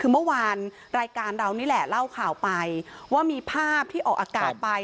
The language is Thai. คือเมื่อวานรายการเรานี่แหละเล่าข่าวไปว่ามีภาพที่ออกอากาศไป